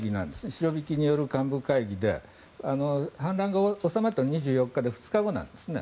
シロビキによる幹部会議で反乱が収まったのは２４日で２日後なんですね。